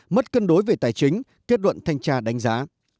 mất cân đối về tài chính kết luận thanh tra đánh giá